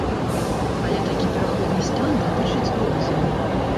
Але такі пераходны стан датычыць дробязяў.